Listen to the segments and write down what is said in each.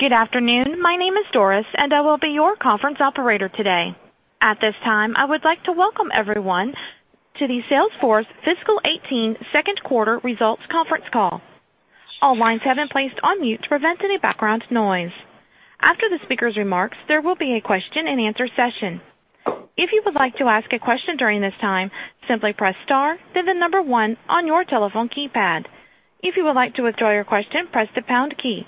Good afternoon. My name is Doris, and I will be your conference operator today. At this time, I would like to welcome everyone to the Salesforce Fiscal 2018 Second Quarter Results Conference Call. All lines have been placed on mute to prevent any background noise. After the speaker's remarks, there will be a question and answer session. If you would like to ask a question during this time, simply press star, then the number one on your telephone keypad. If you would like to withdraw your question, press the pound key.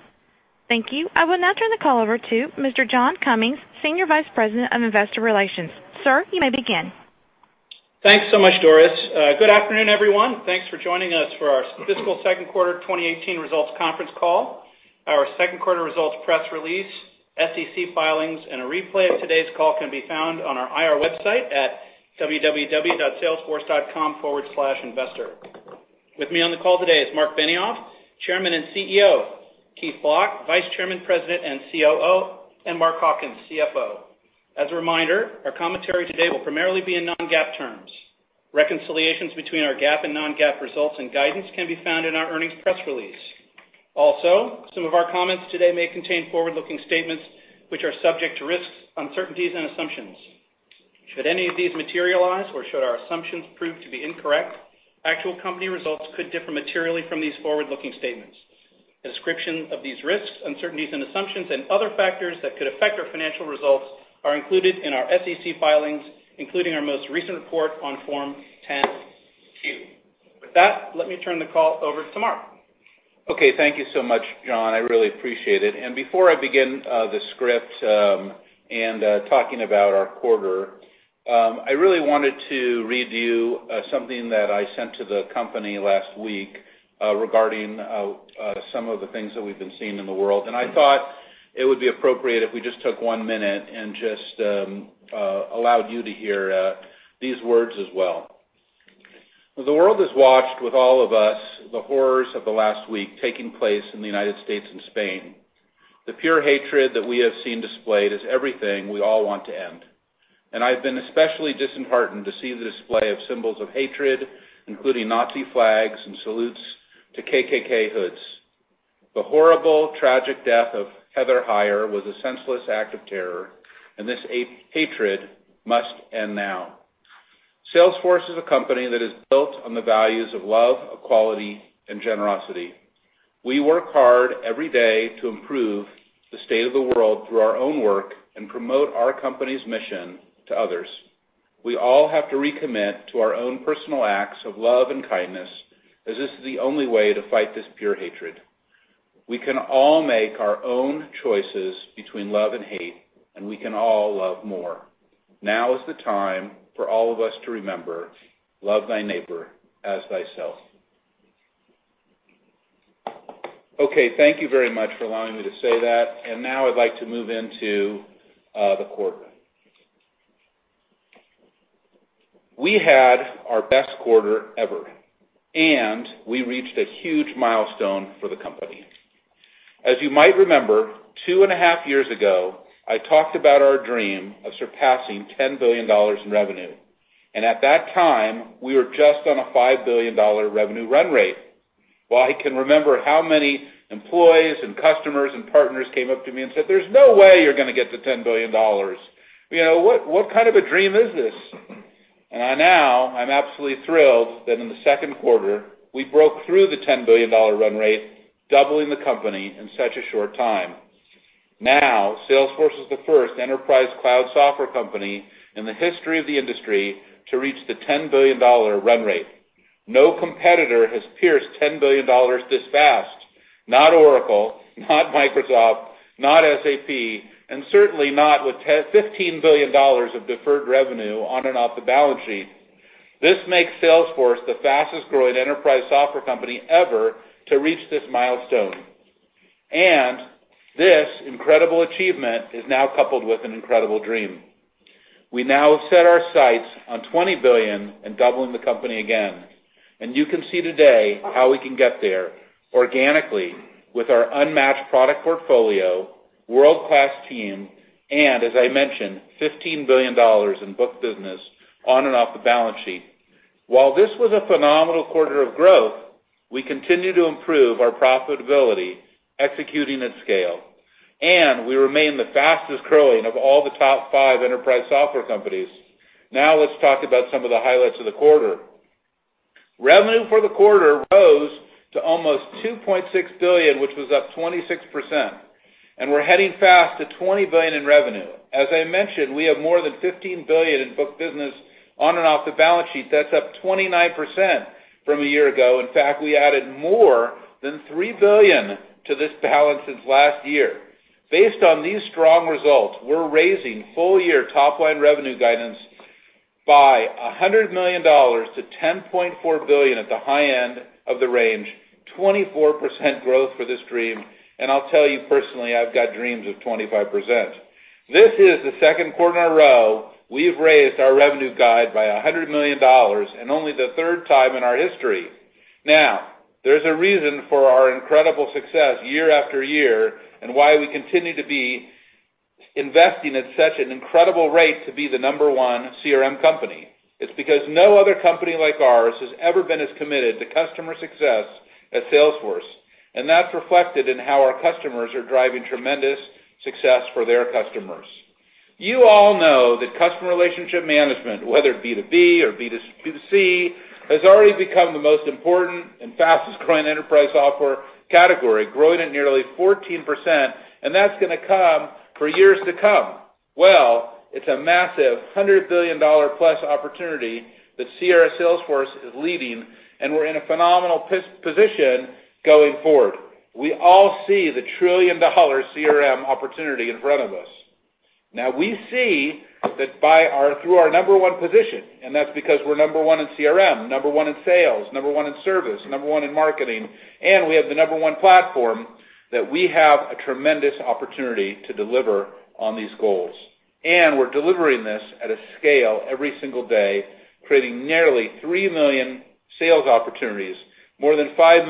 Thank you. I will now turn the call over to Mr. John Cummings, Senior Vice President of Investor Relations. Sir, you may begin. Thanks so much, Doris. Good afternoon, everyone. Thanks for joining us for our fiscal second quarter 2018 results conference call. Our second quarter results press release, SEC filings, and a replay of today's call can be found on our IR website at www.salesforce.com/investor. With me on the call today is Marc Benioff, Chairman and CEO; Keith Block, Vice Chairman, President, and COO; and Mark Hawkins, CFO. As a reminder, our commentary today will primarily be in non-GAAP terms. Reconciliations between our GAAP and non-GAAP results and guidance can be found in our earnings press release. Some of our comments today may contain forward-looking statements which are subject to risks, uncertainties, and assumptions. Should any of these materialize or should our assumptions prove to be incorrect, actual company results could differ materially from these forward-looking statements. A description of these risks, uncertainties, and assumptions and other factors that could affect our financial results are included in our SEC filings, including our most recent report on Form 10-Q. Let me turn the call over to Marc. Okay. Thank you so much, John. I really appreciate it. Before I begin the script and talking about our quarter, I really wanted to read you something that I sent to the company last week regarding some of the things that we've been seeing in the world. I thought it would be appropriate if we just took one minute and just allowed you to hear these words as well. The world has watched, with all of us, the horrors of the last week taking place in the United States and Spain. The pure hatred that we have seen displayed is everything we all want to end, and I've been especially disheartened to see the display of symbols of hatred, including Nazi flags and salutes to KKK hoods. The horrible, tragic death of Heather Heyer was a senseless act of terror, and this hatred must end now. Salesforce is a company that is built on the values of love, equality, and generosity. We work hard every day to improve the state of the world through our own work and promote our company's mission to others. We all have to recommit to our own personal acts of love and kindness, as this is the only way to fight this pure hatred. We can all make our own choices between love and hate, and we can all love more. Now is the time for all of us to remember, love thy neighbor as thyself. Okay. Thank you very much for allowing me to say that. Now I'd like to move into the quarter. We had our best quarter ever, and we reached a huge milestone for the company. As you might remember, two and a half years ago, I talked about our dream of surpassing $10 billion in revenue, and at that time, we were just on a $5 billion revenue run rate. Well, I can remember how many employees and customers and partners came up to me and said, "There's no way you're going to get to $10 billion. What kind of a dream is this?" Now, I'm absolutely thrilled that in the second quarter, we broke through the $10 billion run rate, doubling the company in such a short time. Now, Salesforce is the first enterprise cloud software company in the history of the industry to reach the $10 billion run rate. No competitor has pierced $10 billion this fast, not Oracle, not Microsoft, not SAP, and certainly not with $15 billion of deferred revenue on and off the balance sheet. This makes Salesforce the fastest-growing enterprise software company ever to reach this milestone. This incredible achievement is now coupled with an incredible dream. We now have set our sights on $20 billion and doubling the company again. You can see today how we can get there organically with our unmatched product portfolio, world-class team, and as I mentioned, $15 billion in booked business on and off the balance sheet. While this was a phenomenal quarter of growth, we continue to improve our profitability executing at scale, and we remain the fastest-growing of all the top five enterprise software companies. Let's talk about some of the highlights of the quarter. Revenue for the quarter rose to almost $2.6 billion, which was up 26%, and we're heading fast to $20 billion in revenue. As I mentioned, we have more than $15 billion in booked business on and off the balance sheet. That's up 29% from a year ago. In fact, we added more than $3 billion to this balance since last year. Based on these strong results, we're raising full-year top-line revenue guidance by $100 million to $10.4 billion at the high end of the range, 24% growth for this dream. I'll tell you personally, I've got dreams of 25%. This is the second quarter in a row we've raised our revenue guide by $100 million and only the third time in our history. There's a reason for our incredible success year after year and why we continue to be investing at such an incredible rate to be the number one CRM company. It's because no other company like ours has ever been as committed to customer success as Salesforce, and that's reflected in how our customers are driving tremendous success for their customers. You all know that customer relationship management, whether it be B2B or B2C, has already become the most important and fastest growing enterprise software category, growing at nearly 14%, and that's going to come for years to come. Well, it's a massive $100 billion-plus opportunity that CRM Salesforce is leading, and we're in a phenomenal position going forward. We all see the trillion-dollar CRM opportunity in front of us. Now, we see that through our number one position, and that's because we're number one in CRM, number one in sales, number one in service, number one in marketing, and we have the number one platform, that we have a tremendous opportunity to deliver on these goals. We're delivering this at a scale every single day, creating nearly three million sales opportunities, more than five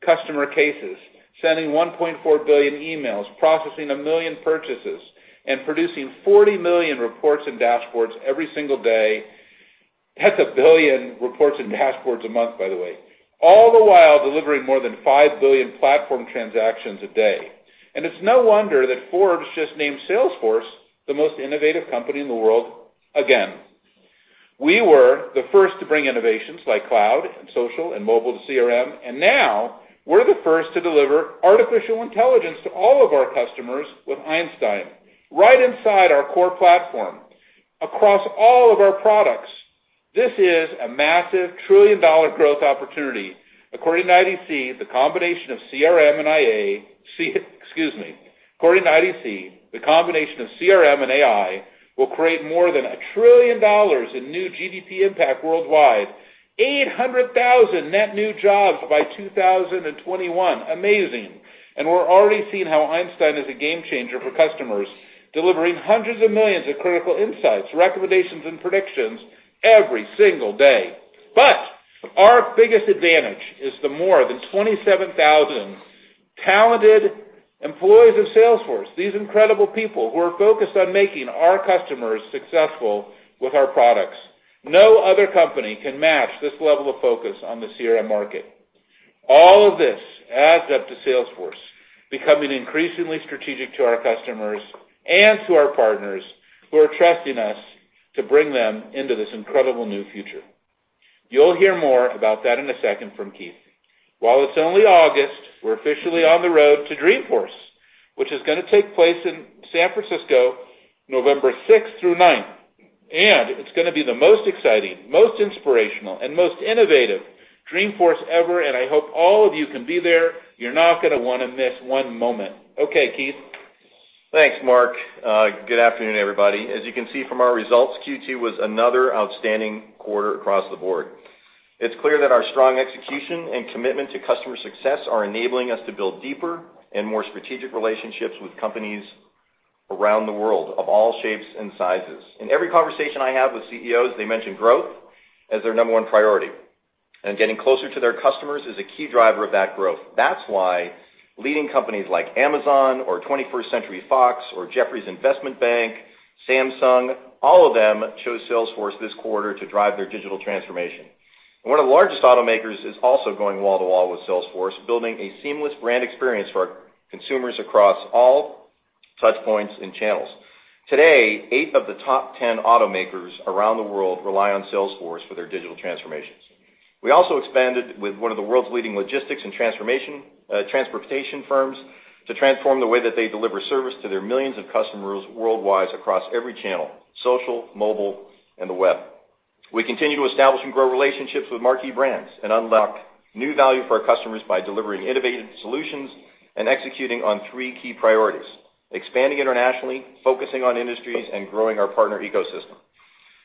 million customer cases, sending 1.4 billion emails, processing 1 million purchases, and producing 40 million reports and dashboards every single day. That's 1 billion reports and dashboards a month, by the way. All the while, delivering more than five billion platform transactions a day. It's no wonder that Forbes just named Salesforce the most innovative company in the world again. We were the first to bring innovations like cloud and social and mobile to CRM, and now we're the first to deliver artificial intelligence to all of our customers with Einstein right inside our core platform, across all of our products. This is a massive trillion-dollar growth opportunity. According to IDC, the combination of CRM and excuse me. According to IDC, the combination of CRM and AI will create more than 1 trillion dollars in new GDP impact worldwide, 800,000 net new jobs by 2021. Amazing. We're already seeing how Einstein is a game changer for customers, delivering hundreds of millions of critical insights, recommendations, and predictions every single day. Our biggest advantage is the more than 27,000 talented employees of Salesforce, these incredible people who are focused on making our customers successful with our products. No other company can match this level of focus on the CRM market. All of this adds up to Salesforce becoming increasingly strategic to our customers and to our partners who are trusting us to bring them into this incredible new future. You'll hear more about that in a second from Keith. While it's only August, we're officially on the road to Dreamforce, which is going to take place in San Francisco, November 6th-9th, it's going to be the most exciting, most inspirational, and most innovative Dreamforce ever, I hope all of you can be there. You're not going to want to miss one moment. Okay, Keith. Thanks, Mark. Good afternoon, everybody. As you can see from our results, Q2 was another outstanding quarter across the board. It is clear that our strong execution and commitment to customer success are enabling us to build deeper and more strategic relationships with companies around the world of all shapes and sizes. In every conversation I have with CEOs, they mention growth as their number one priority, and getting closer to their customers is a key driver of that growth. That is why leading companies like Amazon or 21st Century Fox or Jefferies Investment Bank, Samsung, all of them chose Salesforce this quarter to drive their digital transformation. One of the largest automakers is also going wall to wall with Salesforce, building a seamless brand experience for consumers across all touch points and channels. Today, eight of the top 10 automakers around the world rely on Salesforce for their digital transformations. We also expanded with one of the world's leading logistics and transportation firms to transform the way that they deliver service to their millions of customers worldwide across every channel, social, mobile, and the web. We continue to establish and grow relationships with marquee brands and unlock new value for our customers by delivering innovative solutions and executing on three key priorities: expanding internationally, focusing on industries, and growing our partner ecosystem.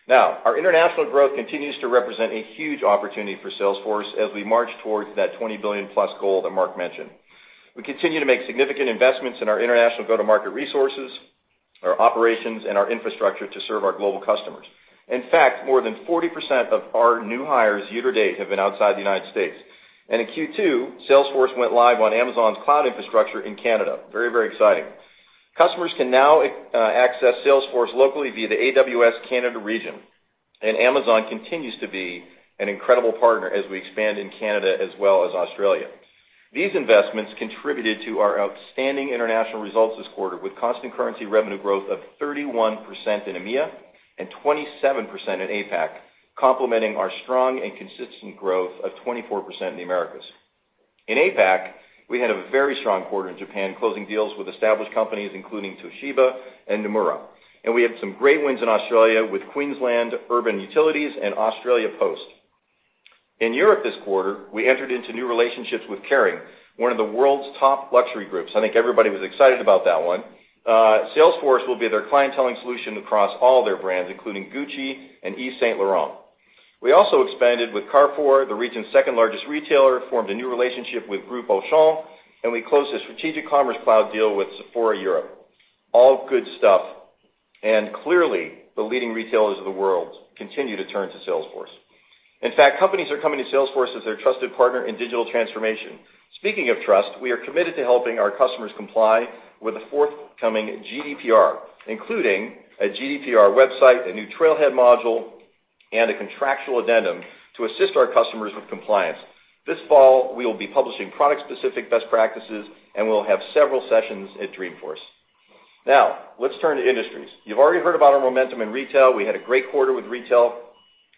Our international growth continues to represent a huge opportunity for Salesforce as we march towards that $20 billion+ goal that Mark mentioned. We continue to make significant investments in our international go-to-market resources, our operations, and our infrastructure to serve our global customers. In fact, more than 40% of our new hires year to date have been outside the U.S. In Q2, Salesforce went live on Amazon's cloud infrastructure in Canada. Very, very exciting. Customers can now access Salesforce locally via the AWS Canada region. Amazon continues to be an incredible partner as we expand in Canada as well as Australia. These investments contributed to our outstanding international results this quarter, with constant currency revenue growth of 31% in EMEA and 27% in APAC, complementing our strong and consistent growth of 24% in Americas. In APAC, we had a very strong quarter in Japan, closing deals with established companies including Toshiba and Nomura. We had some great wins in Australia with Queensland Urban Utilities and Australia Post. In Europe this quarter, we entered into new relationships with Kering, one of the world's top luxury groups. I think everybody was excited about that one. Salesforce will be their clienteling solution across all their brands, including Gucci and Yves Saint Laurent. We also expanded with Carrefour, the region's second-largest retailer, formed a new relationship with Groupe Auchan, and we closed a strategic Commerce Cloud deal with Sephora Europe. All good stuff. Clearly, the leading retailers of the world continue to turn to Salesforce. In fact, companies are coming to Salesforce as their trusted partner in digital transformation. Speaking of trust, we are committed to helping our customers comply with the forthcoming GDPR, including a GDPR website, a new Trailhead module, and a contractual addendum to assist our customers with compliance. This fall, we will be publishing product-specific best practices, and we will have several sessions at Dreamforce. Let us turn to industries. You have already heard about our momentum in retail. We had a great quarter with retail,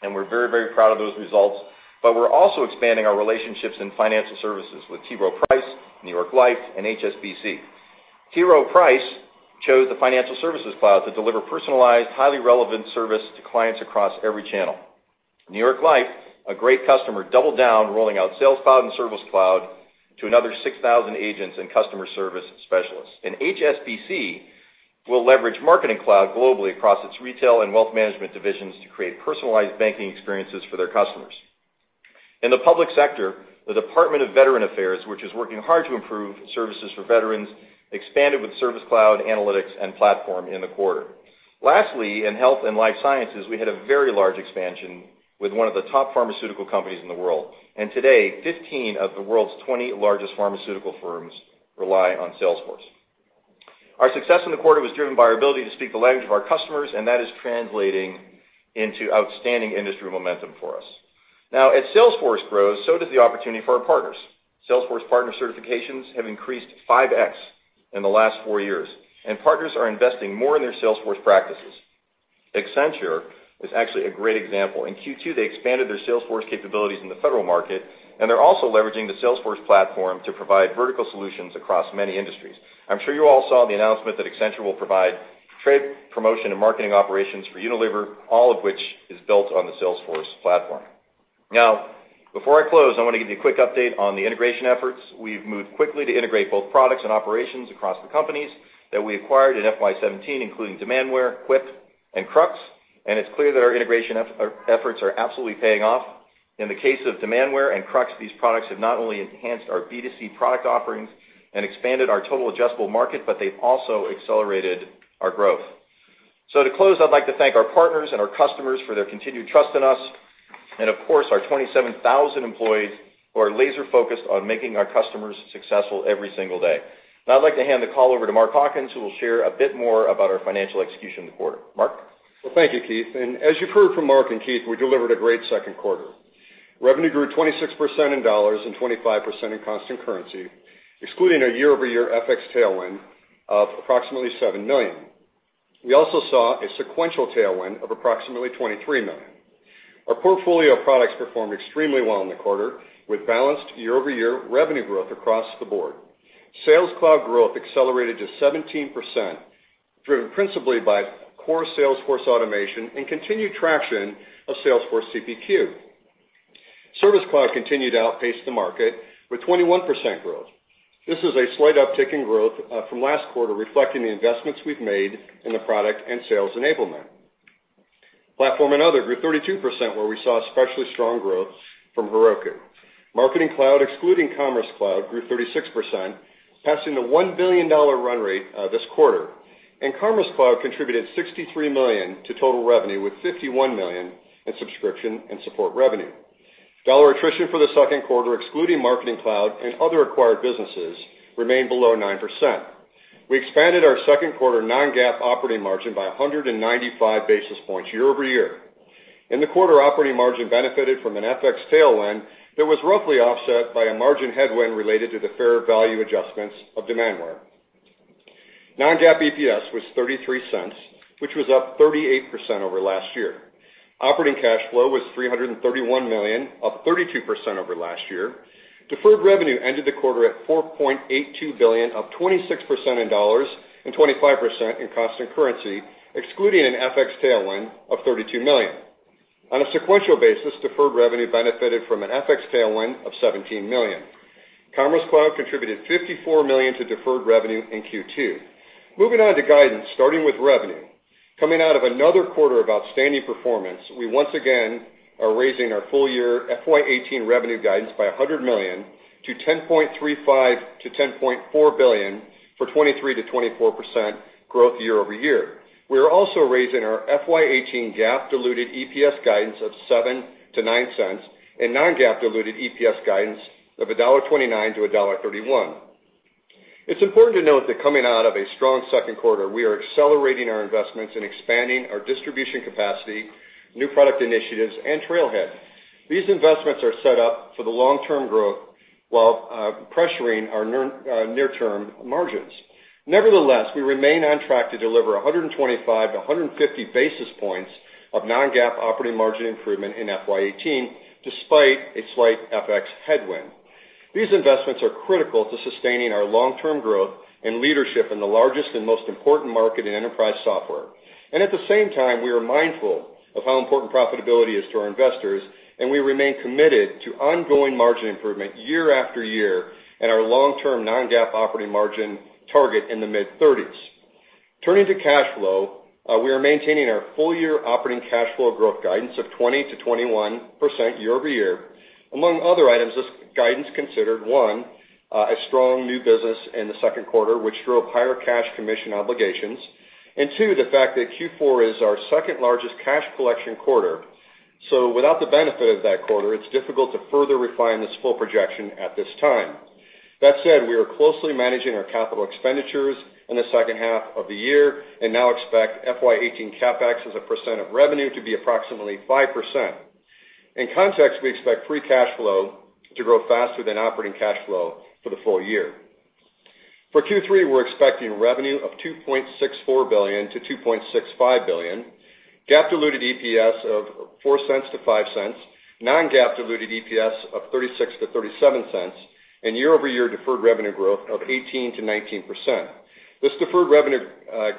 and we are very proud of those results. We are also expanding our relationships in financial services with T. T. Rowe Price, New York Life, and HSBC. T. Rowe Price chose the Financial Services Cloud to deliver personalized, highly relevant service to clients across every channel. New York Life, a great customer, doubled down, rolling out Sales Cloud and Service Cloud to another 6,000 agents and customer service specialists. HSBC will leverage Marketing Cloud globally across its retail and wealth management divisions to create personalized banking experiences for their customers. In the public sector, the Department of Veterans Affairs, which is working hard to improve services for veterans, expanded with Service Cloud, Analytics, and Platform in the quarter. Lastly, in health and life sciences, we had a very large expansion with one of the top pharmaceutical companies in the world. Today, 15 of the world's 20 largest pharmaceutical firms rely on Salesforce. Our success in the quarter was driven by our ability to speak the language of our customers, that is translating into outstanding industry momentum for us. As Salesforce grows, so does the opportunity for our partners. Salesforce partner certifications have increased 5X in the last four years, partners are investing more in their Salesforce practices. Accenture is actually a great example. In Q2, they expanded their Salesforce capabilities in the federal market, they are also leveraging the Salesforce Platform to provide vertical solutions across many industries. I am sure you all saw the announcement that Accenture will provide trade promotion and marketing operations for Unilever, all of which is built on the Salesforce Platform. Before I close, I want to give you a quick update on the integration efforts. We have moved quickly to integrate both products and operations across the companies that we acquired in FY 2017, including Demandware, Quip, and Krux, it is clear that our integration efforts are absolutely paying off. In the case of Demandware and Krux, these products have not only enhanced our B2C product offerings and expanded our total addressable market, they have also accelerated our growth. To close, I would like to thank our partners and our customers for their continued trust in us, of course, our 27,000 employees who are laser-focused on making our customers successful every single day. I would like to hand the call over to Mark Hawkins, who will share a bit more about our financial execution in the quarter. Mark? Well, thank you, Keith. As you have heard from Marc and Keith, we delivered a great second quarter. Revenue grew 26% in dollars 25% in constant currency, excluding a year-over-year FX tailwind of approximately $7 million. We also saw a sequential tailwind of approximately $23 million. Our portfolio of products performed extremely well in the quarter with balanced year-over-year revenue growth across the board. Sales Cloud growth accelerated to 17%, driven principally by core Salesforce automation and continued traction of Salesforce CPQ. Service Cloud continued to outpace the market with 21% growth. This is a slight uptick in growth from last quarter, reflecting the investments we have made in the product and sales enablement. Platform and other grew 32%, where we saw especially strong growth from Heroku. Marketing Cloud, excluding Commerce Cloud, grew 36%, passing the $1 billion run rate this quarter. Commerce Cloud contributed $63 million to total revenue, with $51 million in subscription and support revenue. Dollar attrition for the second quarter, excluding Marketing Cloud and other acquired businesses, remained below 9%. We expanded our second quarter non-GAAP operating margin by 195 basis points year-over-year. In the quarter, operating margin benefited from an FX tailwind that was roughly offset by a margin headwind related to the fair value adjustments of Demandware. Non-GAAP EPS was $0.33, which was up 38% over last year. Operating cash flow was $331 million, up 32% over last year. Deferred revenue ended the quarter at $4.82 billion, up 26% in dollars and 25% in constant currency, excluding an FX tailwind of $32 million. On a sequential basis, deferred revenue benefited from an FX tailwind of $17 million. Commerce Cloud contributed $54 million to deferred revenue in Q2. Moving on to guidance, starting with revenue. Coming out of another quarter of outstanding performance, we once again are raising our full-year FY 2018 revenue guidance by $100 million to $10.35 billion-$10.4 billion for 23%-24% growth year-over-year. We are also raising our FY 2018 GAAP diluted EPS guidance of $0.07-$0.09 and non-GAAP diluted EPS guidance of $1.29-$1.31. It's important to note that coming out of a strong second quarter, we are accelerating our investments and expanding our distribution capacity, new product initiatives, and Trailhead. These investments are set up for the long-term growth while pressuring our near-term margins. Nevertheless, we remain on track to deliver 125 to 150 basis points of non-GAAP operating margin improvement in FY 2018, despite a slight FX headwind. These investments are critical to sustaining our long-term growth and leadership in the largest and most important market in enterprise software. At the same time, we are mindful of how important profitability is to our investors, and we remain committed to ongoing margin improvement year after year and our long-term non-GAAP operating margin target in the mid-30s. Turning to cash flow, we are maintaining our full-year operating cash flow growth guidance of 20%-21% year-over-year. Among other items, this guidance considered: 1, a strong new business in the second quarter, which drove higher cash commission obligations; and 2, the fact that Q4 is our second-largest cash collection quarter. Without the benefit of that quarter, it's difficult to further refine this full projection at this time. That said, we are closely managing our capital expenditures in the second half of the year and now expect FY 2018 CapEx as a percent of revenue to be approximately 5%. In context, we expect free cash flow to grow faster than operating cash flow for the full year. For Q3, we're expecting revenue of $2.64 billion-$2.65 billion, GAAP diluted EPS of $0.04-$0.05, non-GAAP diluted EPS of $0.36-$0.37, and year-over-year deferred revenue growth of 18%-19%. This deferred revenue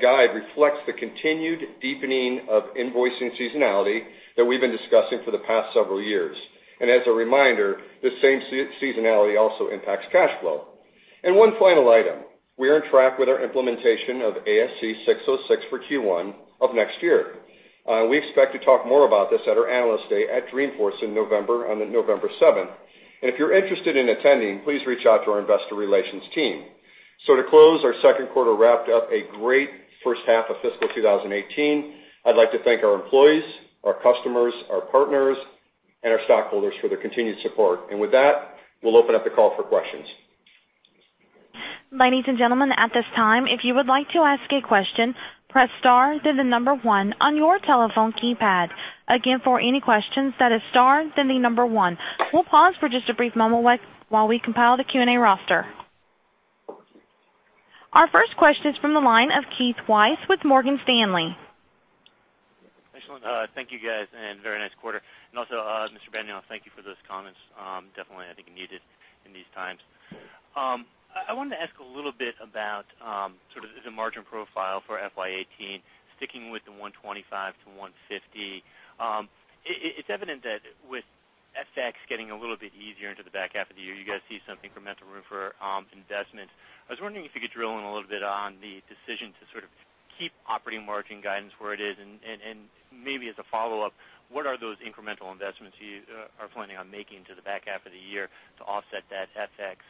guide reflects the continued deepening of invoicing seasonality that we've been discussing for the past several years. As a reminder, this same seasonality also impacts cash flow. One final item. We are on track with our implementation of ASC 606 for Q1 of next year. We expect to talk more about this at our Analyst Day at Dreamforce on November 7th. If you're interested in attending, please reach out to our investor relations team. To close, our second quarter wrapped up a great first half of fiscal 2018. I'd like to thank our employees, our customers, our partners, and our stockholders for their continued support. With that, we'll open up the call for questions. Ladies and gentlemen, at this time, if you would like to ask a question, press star then the number 1 on your telephone keypad. Again, for any questions, that is star, then the number 1. We'll pause for just a brief moment while we compile the Q&A roster. Our first question is from the line of Keith Weiss with Morgan Stanley. Excellent. Thank you, guys, very nice quarter. Also, Mr. Benioff, thank you for those comments. Definitely, I think it needed in these times. I wanted to ask a little bit about the margin profile for FY 2018, sticking with the 125 to 150. It's evident that with FX getting a little bit easier into the back half of the year, you guys see some incremental room for investment. I was wondering if you could drill in a little bit on the decision to sort of keep operating margin guidance where it is, maybe as a follow-up, what are those incremental investments you are planning on making to the back half of the year to offset that FX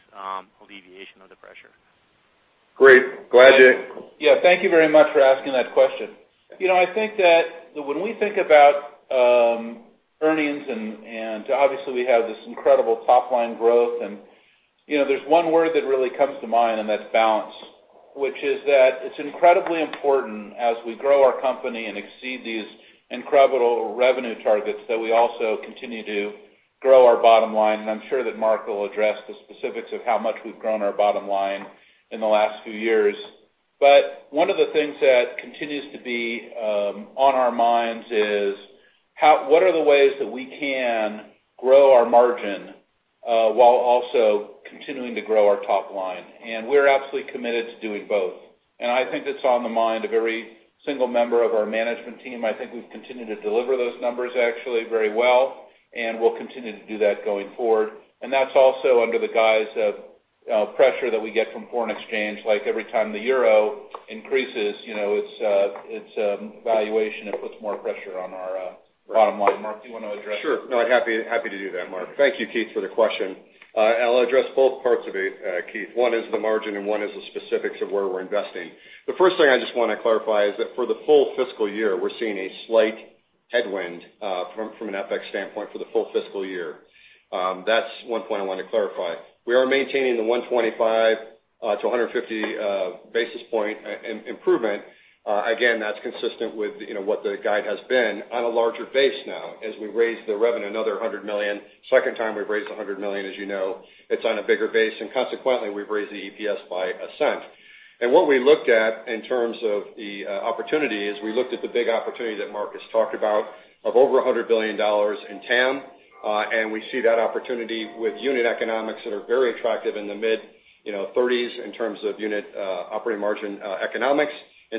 alleviation of the pressure? Great. Thank you very much for asking that question. I think that when we think about earnings, obviously, we have this incredible top-line growth, there's one word that really comes to mind, and that's balance, which is that it's incredibly important as we grow our company and exceed these incredible revenue targets, that we also continue to grow our bottom line. I'm sure that Mark will address the specifics of how much we've grown our bottom line in the last few years. One of the things that continues to be on our minds is, what are the ways that we can grow our margin while also continuing to grow our top line? We're absolutely committed to doing both. I think that's on the mind of every single member of our management team. I think we've continued to deliver those numbers actually very well, we'll continue to do that going forward. That's also under the guise of pressure that we get from foreign exchange. Like every time the EUR increases, its valuation, it puts more pressure on our bottom line. Mark, do you want to address? Sure. Happy to do that, Mark. Thank you, Keith, for the question. I'll address both parts of it, Keith. One is the margin, and one is the specifics of where we're investing. The first thing I just want to clarify is that for the full fiscal year, we're seeing a slight headwind from an FX standpoint for the full fiscal year. That's one point I wanted to clarify. We are maintaining the 125 to 150 basis point improvement. Again, that's consistent with what the guide has been on a larger base now, as we raised the revenue another $100 million. Second time we've raised $100 million, as you know. It's on a bigger base, and consequently, we've raised the EPS by $0.01. What we looked at in terms of the opportunity is we looked at the big opportunity that Mark has talked about of over $100 billion in TAM, and we see that opportunity with unit economics that are very attractive in the mid-30s in terms of unit operating margin economics,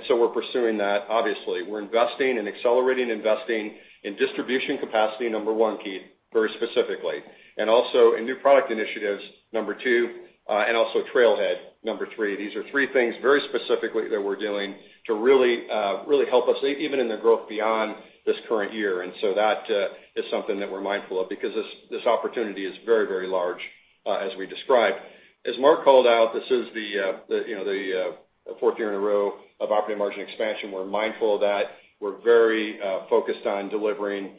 so we're pursuing that, obviously. We're investing and accelerating investing in distribution capacity, number 1, Keith, very specifically. Also in new product initiatives, number 2, and also Trailhead, number 3. These are three things very specifically that we're doing to really help us, even in the growth beyond this current year. That is something that we're mindful of, because this opportunity is very, very large as we described. As Mark called out, this is the fourth year in a row of operating margin expansion. We're mindful of that. We're very focused on delivering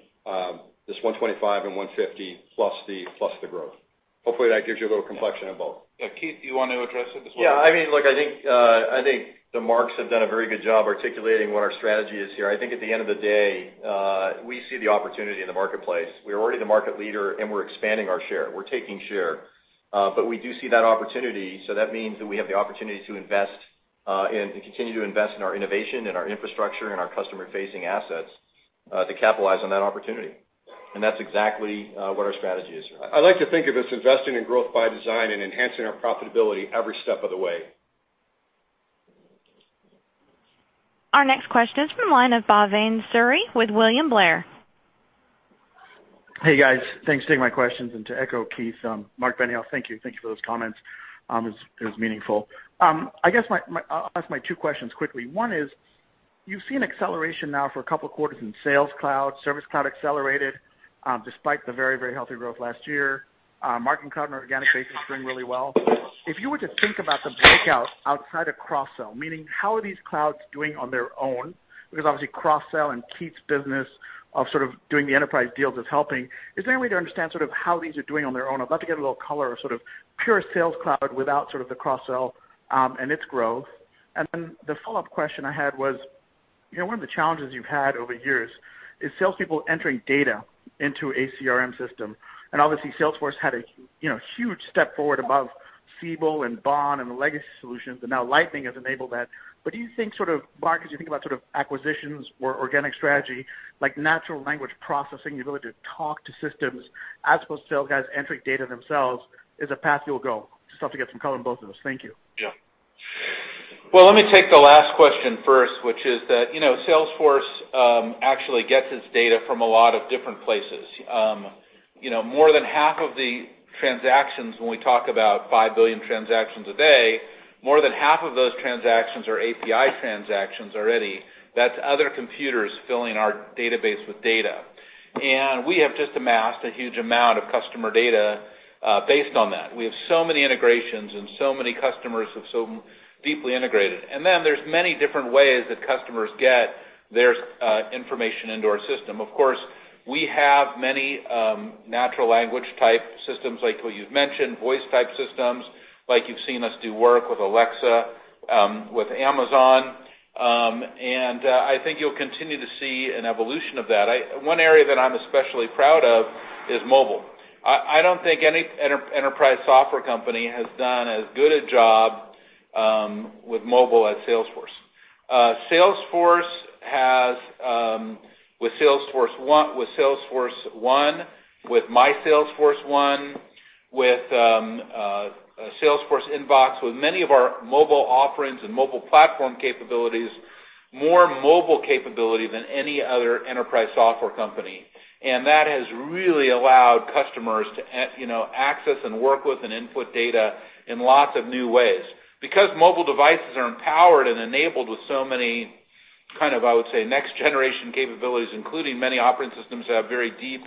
this 125 and 150 plus the growth. Hopefully, that gives you a little complexion of both. Yeah, Keith, do you want to address it as well? Yeah, I think the Marks have done a very good job articulating what our strategy is here. I think at the end of the day, we see the opportunity in the marketplace. We're already the market leader, and we're expanding our share. We're taking share. We do see that opportunity, so that means that we have the opportunity to invest and continue to invest in our innovation and our infrastructure and our customer-facing assets to capitalize on that opportunity. That's exactly what our strategy is here. I like to think of this investing in growth by design and enhancing our profitability every step of the way. Our next question is from the line of Bhavan Suri with William Blair. Hey, guys. Thanks for taking my questions. To echo Keith, Marc Benioff, thank you for those comments. It was meaningful. I guess I'll ask my two questions quickly. One is, you've seen acceleration now for a couple of quarters in Sales Cloud. Service Cloud accelerated, despite the very healthy growth last year. Marketing Cloud on an organic basis doing really well. If you were to think about the breakout outside of cross-sell, meaning how are these clouds doing on their own? Because obviously cross-sell and Keith's business of doing the enterprise deals is helping. Is there any way to understand how these are doing on their own? I'd love to get a little color of pure Sales Cloud without the cross-sell, and its growth. The follow-up question I had was, one of the challenges you've had over years is salespeople entering data into a CRM system, and obviously Salesforce had a huge step forward above Siebel and Vantive and the legacy solutions, and now Lightning has enabled that. Do you think, Marc, as you think about acquisitions or organic strategy, like natural language processing, the ability to talk to systems as opposed to sales guys entering data themselves, is a path you'll go? Just love to get some color on both of those. Thank you. Yeah. Well, let me take the last question first, which is that, Salesforce actually gets its data from a lot of different places. More than half of the transactions, when we talk about 5 billion transactions a day, more than half of those transactions are API transactions already. That's other computers filling our database with data. We have just amassed a huge amount of customer data, based on that. We have so many integrations and so many customers have so deeply integrated. Then there's many different ways that customers get their information into our system. Of course, we have many natural language type systems like what you've mentioned, voice type systems, like you've seen us do work with Alexa, with Amazon. I think you'll continue to see an evolution of that. One area that I'm especially proud of is mobile. I don't think any enterprise software company has done as good a job with mobile as Salesforce. With Salesforce1, with my Salesforce1, with Salesforce Inbox, with many of our mobile offerings and mobile platform capabilities, more mobile capability than any other enterprise software company. That has really allowed customers to access and work with and input data in lots of new ways. Because mobile devices are empowered and enabled with so many, I would say, next generation capabilities, including many operating systems that have very deep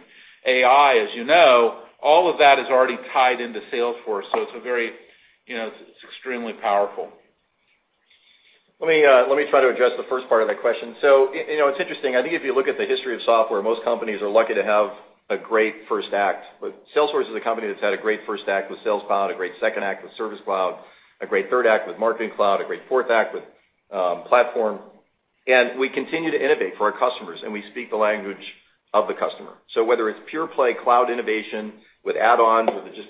AI, as you know, all of that is already tied into Salesforce. It's extremely powerful. Let me try to address the first part of that question. It's interesting. I think if you look at the history of software, most companies are lucky to have a great first act. Salesforce is a company that's had a great first act with Sales Cloud, a great second act with Service Cloud, a great third act with Marketing Cloud, a great fourth act with Platform. We continue to innovate for our customers, and we speak the language of the customer. Whether it's pure play cloud innovation with add-ons, with just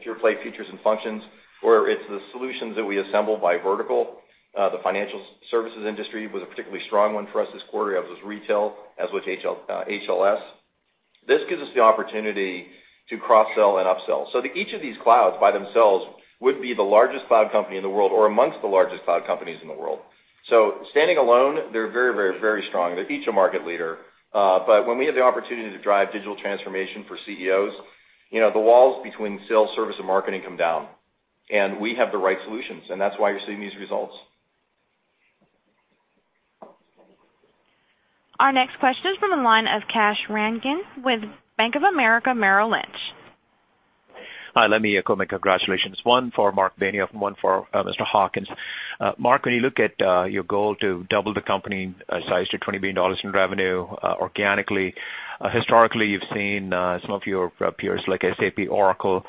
pure play features and functions, or it's the solutions that we assemble by vertical, the financial services industry was a particularly strong one for us this quarter, as was retail, as with HLS. This gives us the opportunity to cross-sell and upsell. To each of these clouds by themselves would be the largest cloud company in the world, or amongst the largest cloud companies in the world. Standing alone, they're very strong. They're each a market leader. When we have the opportunity to drive digital transformation for CEOs, the walls between sales, service, and marketing come down. We have the right solutions, and that's why you're seeing these results. Our next question is from the line of Kash Rangan with Bank of America Merrill Lynch. Hi, let me echo congratulations. One for Marc Benioff and one for Mr. Hawkins. Marc, when you look at your goal to double the company size to $20 billion in revenue organically, historically, you've seen some of your peers, like SAP, Oracle,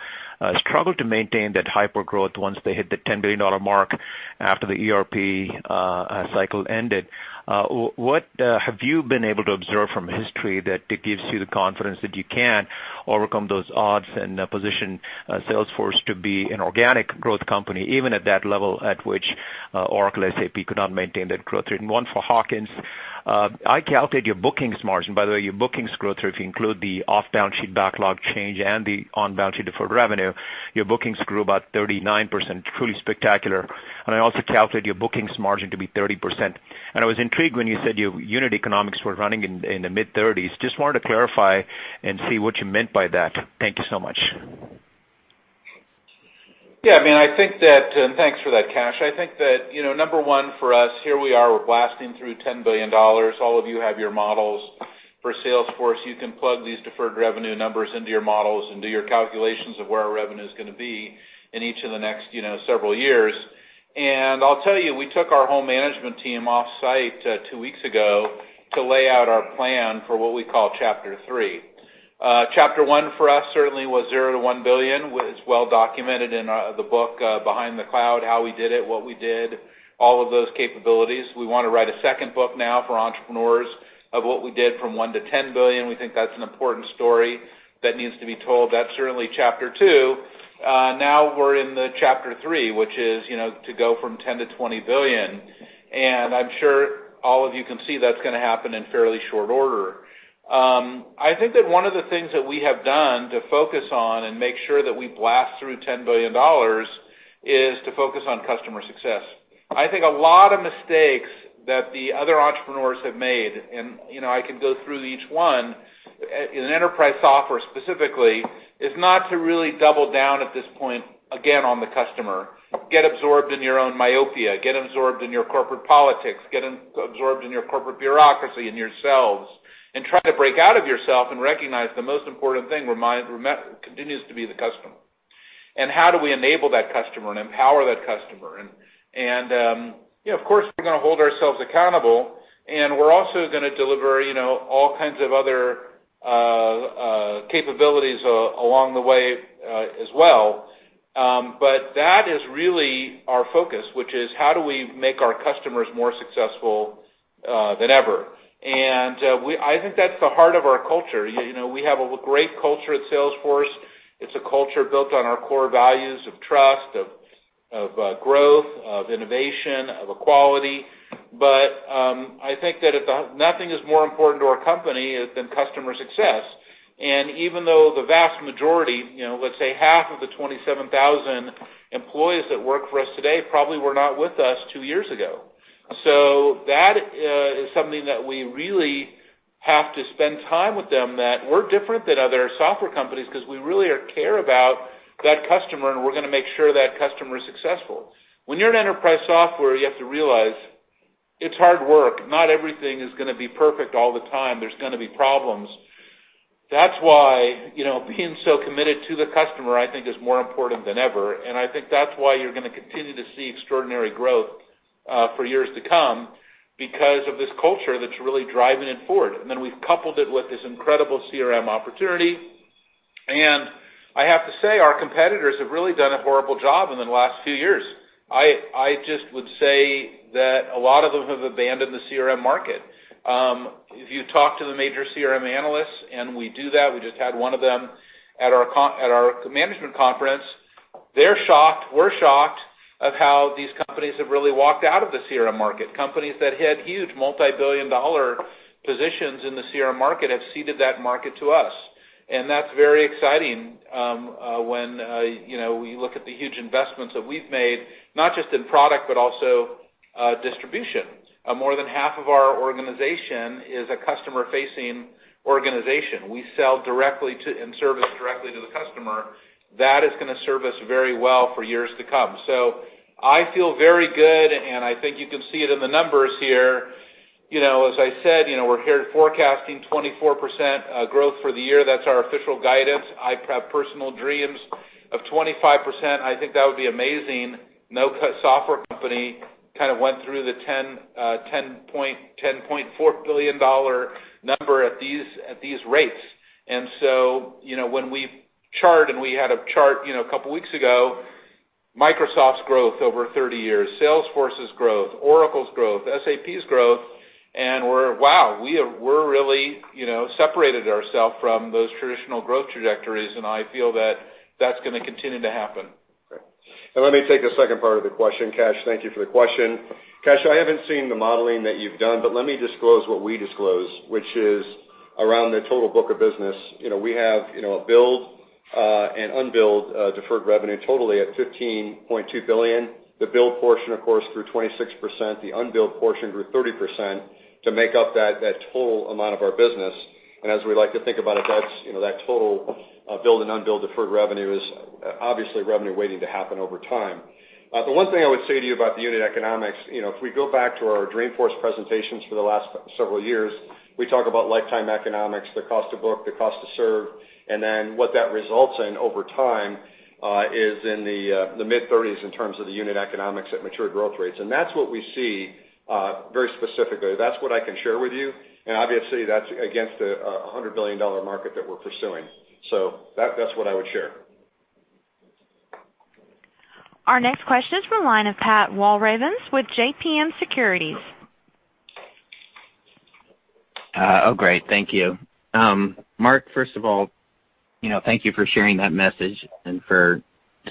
struggle to maintain that hypergrowth once they hit the $10 billion mark after the ERP cycle ended. What have you been able to observe from history that gives you the confidence that you can overcome those odds and position Salesforce to be an organic growth company, even at that level at which Oracle, SAP could not maintain that growth rate? One for Hawkins. I calculated your bookings margin. By the way, your bookings growth rate, if you include the off-balance sheet backlog change and the on-balance sheet deferred revenue, your bookings grew about 39%, truly spectacular. I also calculated your bookings margin to be 30%. I was intrigued when you said your unit economics were running in the mid-30s. Just wanted to clarify and see what you meant by that. Thank you so much. Thanks for that, Kash. I think that, number 1 for us, here we are, we're blasting through $10 billion. All of you have your models for Salesforce. You can plug these deferred revenue numbers into your models and do your calculations of where our revenue's going to be in each of the next several years. I'll tell you, we took our whole management team off-site two weeks ago to lay out our plan for what we call chapter three. Chapter one for us certainly was zero to $1 billion, was well documented in the book, "Behind the Cloud," how we did it, what we did, all of those capabilities. We want to write a second book now for entrepreneurs of what we did from $1 billion to $10 billion. We think that's an important story that needs to be told. That's certainly chapter two. Now we're in the chapter three, which is to go from $10 billion to $20 billion. I'm sure all of you can see that's going to happen in fairly short order. I think that one of the things that we have done to focus on and make sure that we blast through $10 billion is to focus on customer success. I think a lot of mistakes that the other entrepreneurs have made, and I can go through each one, in enterprise software specifically, is not to really double down at this point, again, on the customer. Get absorbed in your own myopia, get absorbed in your corporate politics, get absorbed in your corporate bureaucracy, in yourselves, and try to break out of yourself and recognize the most important thing continues to be the customer. How do we enable that customer and empower that customer? Of course, we're going to hold ourselves accountable, we're also going to deliver all kinds of other capabilities along the way as well. That is really our focus, which is, how do we make our customers more successful than ever? I think that's the heart of our culture. We have a great culture at Salesforce. It's a culture built on our core values of trust, of growth, of innovation, of equality. I think that nothing is more important to our company than customer success. Even though the vast majority, let's say half of the 27,000 employees that work for us today, probably were not with us two years ago. That is something that we really have to spend time with them, that we're different than other software companies because we really care about that customer, we're going to make sure that customer is successful. When you're an enterprise software, you have to realize it's hard work. Not everything is going to be perfect all the time. There's going to be problems. That's why being so committed to the customer, I think, is more important than ever. I think that's why you're going to continue to see extraordinary growth for years to come because of this culture that's really driving it forward. Then we've coupled it with this incredible CRM opportunity, I have to say, our competitors have really done a horrible job in the last few years. I just would say that a lot of them have abandoned the CRM market. If you talk to the major CRM analysts, we do that, we just had one of them at our management conference. They're shocked, we're shocked at how these companies have really walked out of the CRM market. Companies that had huge multi-billion-dollar positions in the CRM market have ceded that market to us. That's very exciting when we look at the huge investments that we've made, not just in product, but also distribution. More than half of our organization is a customer-facing organization. We sell directly to, service directly to the customer. That is going to serve us very well for years to come. I feel very good, I think you can see it in the numbers here. As I said, we're here forecasting 24% growth for the year. That's our official guidance. I have personal dreams of 25%. I think that would be amazing. No software company kind of went through the $10.4 billion number at these rates. When we chart, we had a chart a couple of weeks ago, Microsoft's growth over 30 years, Salesforce's growth, Oracle's growth, SAP's growth, wow, we're really separated ourselves from those traditional growth trajectories, I feel that that's going to continue to happen. Great. Let me take the second part of the question, Kash. Thank you for the question. Kash, I haven't seen the modeling that you've done, let me disclose what we disclose, which is around the total book of business. We have a billed and unbilled deferred revenue totally at $15.2 billion. The billed portion, of course, grew 26%, the unbilled portion grew 30%, to make up that total amount of our business. As we like to think about it, that total billed and unbilled deferred revenue is obviously revenue waiting to happen over time. The one thing I would say to you about the unit economics, if we go back to our Dreamforce presentations for the last several years, we talk about lifetime economics, the cost to book, the cost to serve, and then what that results in over time is in the mid-30s in terms of the unit economics at mature growth rates. That's what we see very specifically. That's what I can share with you, and obviously, that's against the $100 billion market that we're pursuing. That's what I would share. Our next question is from the line of Patrick Walravens with JMP Securities. Great. Thank you. Marc, first of all, thank you for sharing that message and for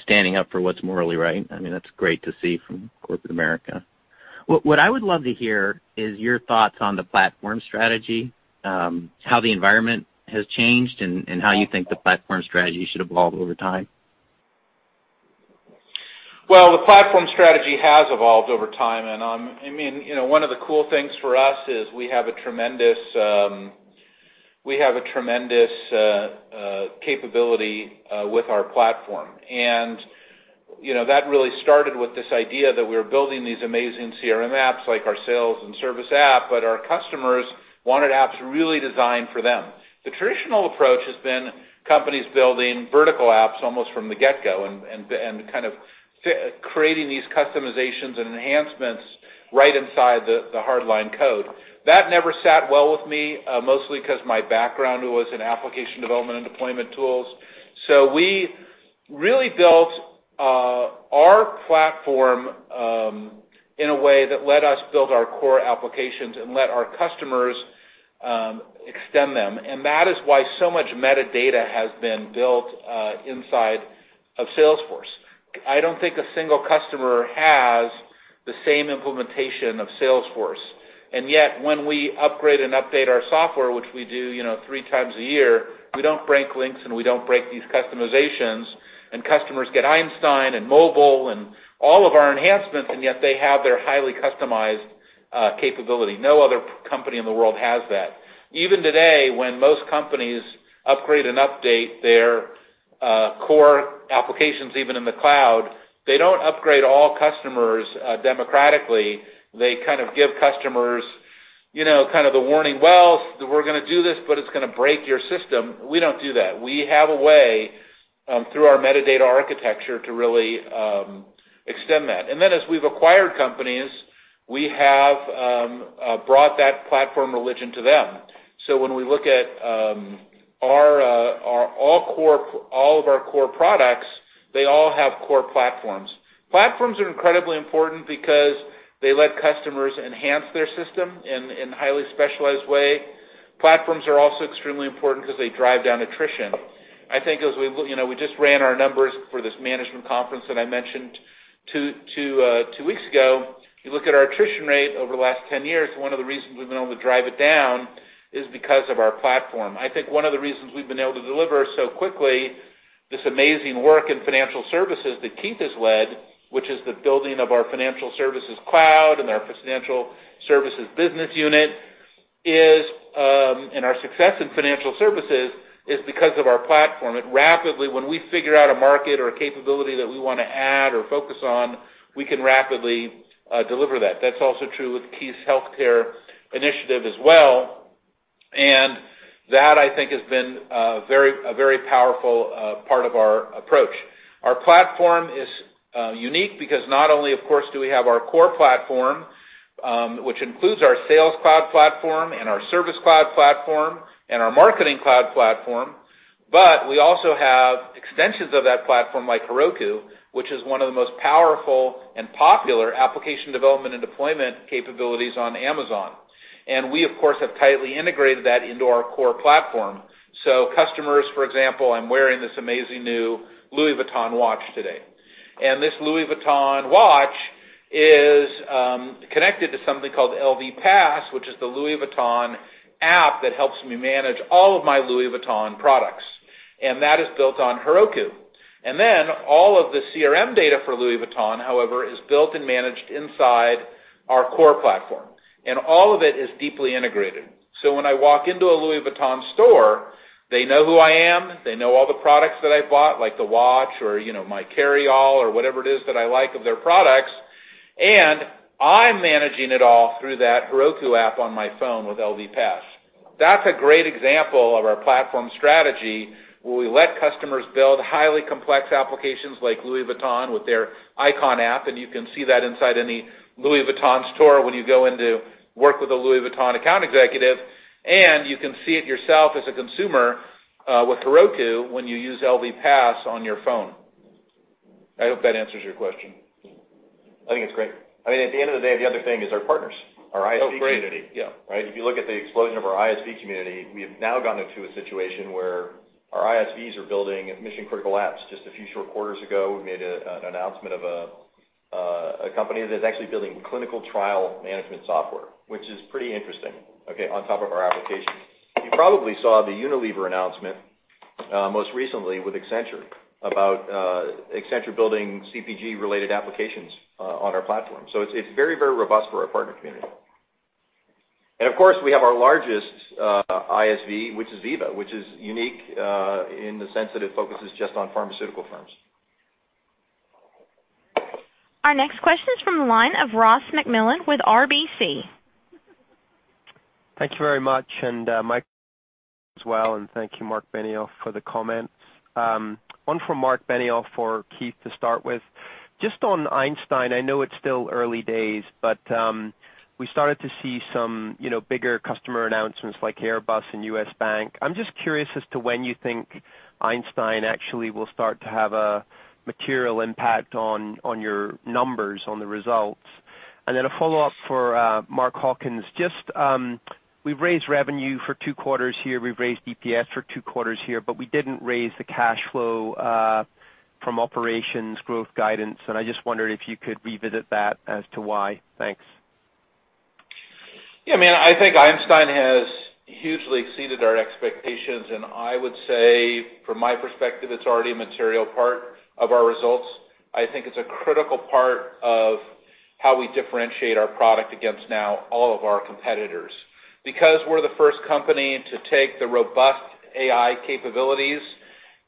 standing up for what's morally right. That's great to see from corporate America. What I would love to hear is your thoughts on the platform strategy, how the environment has changed, and how you think the platform strategy should evolve over time. The platform strategy has evolved over time. One of the cool things for us is we have a tremendous capability with our platform. That really started with this idea that we were building these amazing CRM apps, like our sales and service app, but our customers wanted apps really designed for them. The traditional approach has been companies building vertical apps almost from the get-go and kind of creating these customizations and enhancements right inside the hard-line code. That never sat well with me, mostly because my background was in application development and deployment tools. We really built our platform in a way that let us build our core applications and let our customers extend them. That is why so much metadata has been built inside of Salesforce. I don't think a single customer The same implementation of Salesforce. When we upgrade and update our software, which we do three times a year, we don't break links and we don't break these customizations. Customers get Einstein and Mobile and all of our enhancements. Yet they have their highly customized capability. No other company in the world has that. Even today, when most companies upgrade and update their core applications, even in the cloud, they don't upgrade all customers democratically. They give customers the warning, "Well, we're going to do this, but it's going to break your system." We don't do that. We have a way, through our metadata architecture, to really extend that. Then as we've acquired companies, we have brought that platform religion to them. When we look at all of our core products, they all have core platforms. Platforms are incredibly important because they let customers enhance their system in a highly specialized way. Platforms are also extremely important because they drive down attrition. We just ran our numbers for this management conference that I mentioned two weeks ago. If you look at our attrition rate over the last 10 years, one of the reasons we've been able to drive it down is because of our platform. I think one of the reasons we've been able to deliver so quickly, this amazing work in financial services that Keith has led, which is the building of our Financial Services Cloud and our financial services business unit. Our success in financial services is because of our platform. When we figure out a market or a capability that we want to add or focus on, we can rapidly deliver that. That's also true with Keith's healthcare initiative as well. That, I think, has been a very powerful part of our approach. Our platform is unique because not only, of course, do we have our core platform, which includes our Sales Cloud platform and our Service Cloud platform and our Marketing Cloud platform. We also have extensions of that platform like Heroku, which is one of the most powerful and popular application development and deployment capabilities on Amazon. We, of course, have tightly integrated that into our core platform. Customers, for example, I'm wearing this amazing new Louis Vuitton watch today. This Louis Vuitton watch is connected to something called LV Pass, which is the Louis Vuitton app that helps me manage all of my Louis Vuitton products. That is built on Heroku. All of the CRM data for Louis Vuitton, however, is built and managed inside our core platform, and all of it is deeply integrated. When I walk into a Louis Vuitton store, they know who I am, they know all the products that I bought, like the watch or my carryall or whatever it is that I like of their products, and I'm managing it all through that Heroku app on my phone with LV Pass. That's a great example of our platform strategy, where we let customers build highly complex applications like Louis Vuitton with their Icon app, and you can see that inside any Louis Vuitton store when you go in to work with a Louis Vuitton account executive, and you can see it yourself as a consumer with Heroku when you use LV Pass on your phone. I hope that answers your question. I think it's great. At the end of the day, the other thing is our partners, our ISV community. Oh, great. If you look at the explosion of our ISV community, we have now gotten into a situation where our ISVs are building mission-critical apps. Just a few short quarters ago, we made an announcement of a company that is actually building clinical trial management software, which is pretty interesting, on top of our application. You probably saw the Unilever announcement, most recently with Accenture, about Accenture building CPG-related applications on our platform. It's very robust for our partner community. Of course, we have our largest ISV, which is Veeva, which is unique in the sense that it focuses just on pharmaceutical firms. Our next question is from the line of Ross MacMillan with RBC. Thank you very much, and Mike as well, and thank you, Marc Benioff, for the comments. One for Marc Benioff, for Keith to start with. Just on Einstein, I know it's still early days, but we started to see some bigger customer announcements like Airbus and U.S. Bank. I'm just curious as to when you think Einstein actually will start to have a material impact on your numbers, on the results. A follow-up for Mark Hawkins. We've raised revenue for two quarters here, we've raised EPS for two quarters here, we didn't raise the cash flow from operations growth guidance, and I just wondered if you could revisit that as to why. Thanks. I think Einstein has hugely exceeded our expectations, and I would say, from my perspective, it's already a material part of our results. I think it's a critical part of how we differentiate our product against now all of our competitors. We're the first company to take the robust AI capabilities,